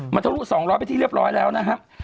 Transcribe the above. มันทะลุ๒๐๐ไปที่เรียบร้อยแล้วนะครับ